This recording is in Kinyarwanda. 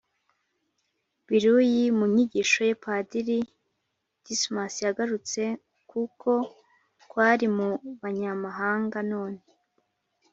biruyi. mu nyigisho ye, padiri dismas yagarutse k’uko twari mu banyamahanga, none